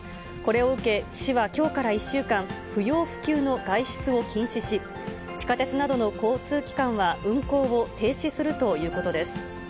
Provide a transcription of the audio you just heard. これを受け、市はきょうから１週間、不要不急の外出を禁止し、地下鉄などの交通機関は運行を停止するということです。